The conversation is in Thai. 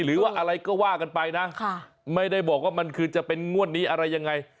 หรือว่าอะไรก็ว่ากันไปนะไม่ได้บอกว่ามันคือจะเป็นงวดนี้อะไรยังไง